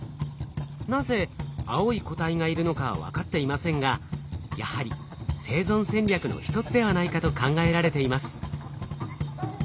なぜ青い個体がいるのかは分かっていませんがやはり生存戦略の一つではないかと考えられています。